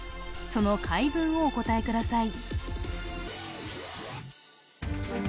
その回文をお答えください